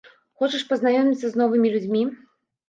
Хочаш пазнаёміцца з новымі людзьмі?